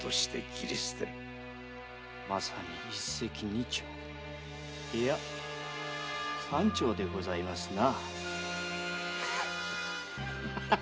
まさに一石二鳥いや三鳥でございますな。